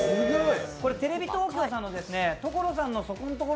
テレビ東京さんの、「所さんのそこんトコロ！」